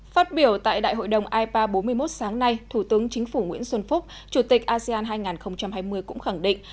phát biểu tại đại hội đồng ipa bốn mươi một sáng nay thủ tướng chính phủ nguyễn xuân phúc chủ tịch asean hai nghìn hai mươi cũng khẳng định